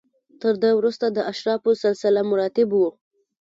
تر ده وروسته د اشرافو سلسله مراتب و